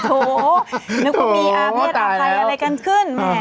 โอ้โธนึกว่ามีอาเมฆเอาไพรอะไรกันขึ้นแหม